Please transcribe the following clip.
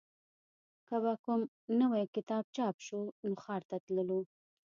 که به کوم نوی کتاب چاپ شو نو ښار ته تللو